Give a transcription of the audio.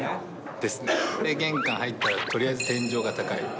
で、玄関入ったら、とりあえず天井が高い。